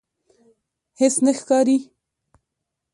هیڅ نه ښکاري